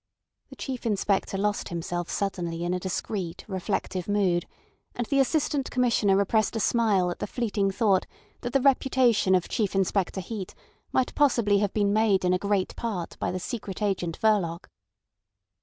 The Chief Inspector lost himself suddenly in a discreet reflective mood; and the Assistant Commissioner repressed a smile at the fleeting thought that the reputation of Chief Inspector Heat might possibly have been made in a great part by the Secret Agent Verloc.